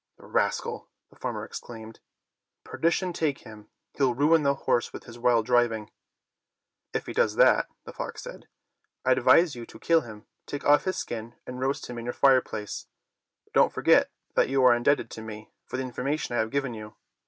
"The rascal!" the farmer exclaimed, "perdition take him! He'll ruin the horse with his wild driving." "If he does that," the fox said, " I advise you to kill him, take off his skin, and roast him in your fireplace. But don't forget that you are indebted to me for the information I have given you.